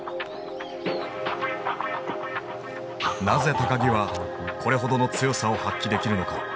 なぜ木はこれほどの強さを発揮できるのか。